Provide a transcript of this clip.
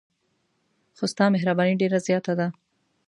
خو ستا مهرباني ډېره زیاته ده.